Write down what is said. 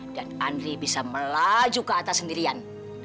dan andre bisa melaju ke atas sendirian